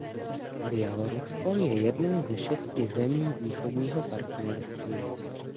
Bělorusko je jednou ze šesti zemí východního partnerství.